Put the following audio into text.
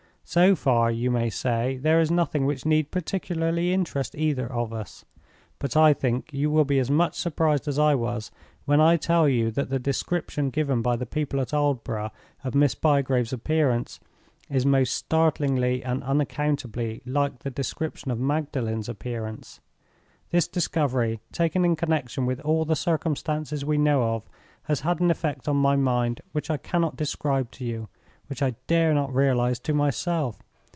So far, you may say, there is nothing which need particularly interest either of us. But I think you will be as much surprised as I was when I tell you that the description given by the people at Aldborough of Miss Bygrave's appearance is most startlingly and unaccountably like the description of Magdalen's appearance. This discovery, taken in connection with all the circumstances we know of, has had an effect on my mind which I cannot describe to you—which I dare not realize to myself.